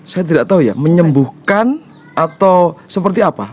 saya tidak tahu ya menyembuhkan atau seperti apa